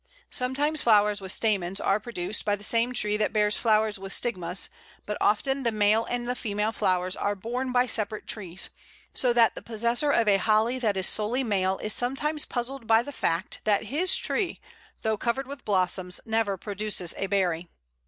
Sometimes flowers with stamens are produced by the same tree that bears flowers with stigmas; but often the male and the female flowers are borne by separate trees, so that the possessor of a Holly that is solely male is sometimes puzzled by the fact that his tree, though covered with blossom, never produces a berry.